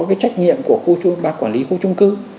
cái trách nhiệm của bác quản lý khu trung cư